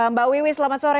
mbak wiwi selamat sore